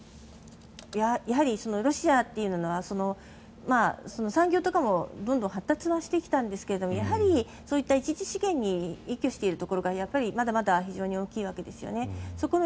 ロシアというのは産業とかもどんどん発達はしてきたんですがやはりそういった一次資源に依拠しているところがまだまだ非常に大きいわけですよね。